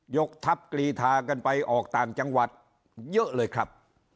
กทัพกรีธากันไปออกต่างจังหวัดเยอะเลยครับ